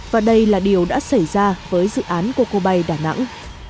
và đây là điều đã xảy ra với dự án của cô bay đà nẵng